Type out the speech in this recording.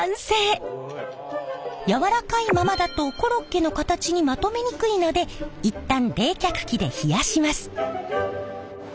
やわらかいままだとコロッケの形にまとめにくいので一旦冷却機で冷やします。